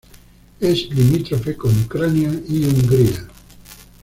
Es limítrofe con Ucrania y Hungría.